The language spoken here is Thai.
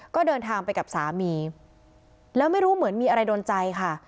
ก็เดินทางไปกับสามีแล้วไม่รู้เหมือนมีอะไรโดนใจค่ะ